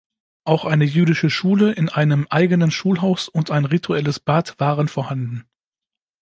Auch eine jüdische Schule in einem eigenen Schulhaus und ein rituelles Bad waren vorhanden.